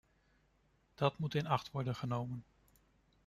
Dat moet in acht worden genomen.